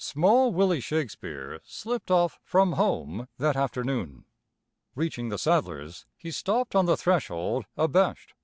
Small Willy Shakespeare slipped off from home that afternoon. Reaching the Sadlers, he stopped on the threshold abashed.